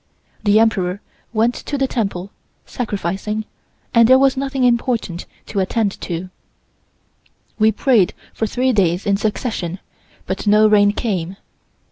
The Emperor went to the Temple, sacrificing, and there was nothing important to attend to. We prayed for three days in succession, but no rain came.